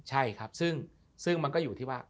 ใช่ครับซึ่งมันก็อยู่ที่ว่า